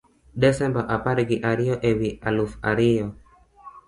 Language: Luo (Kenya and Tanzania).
Desemba apargi ariyo e wi aluf ariyo: